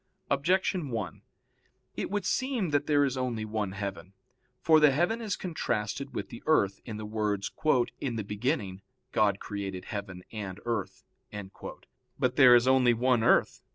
Objection 1: It would seem that there is only one heaven. For the heaven is contrasted with the earth, in the words, "In the beginning God created heaven and earth." But there is only one earth.